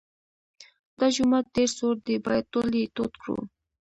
دا جومات ډېر سوړ دی باید ټول یې تود کړو.